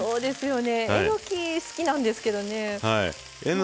えのき好きなんですけどね。